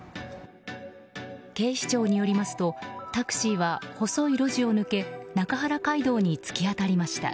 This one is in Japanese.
警視庁によりますとタクシーは細い路地を抜け中原街道に突き当たりました。